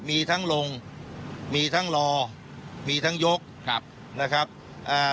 มีทั้งลงมีทั้งรอมีทั้งยกครับนะครับอ่า